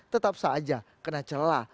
tetap saja kena celah